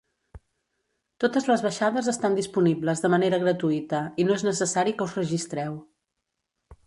Totes les baixades estan disponibles de manera gratuïta i no és necessari que us registreu.